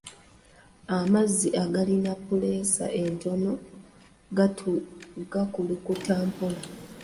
Amazzi agalina puleesa entono gakulukuta mpola.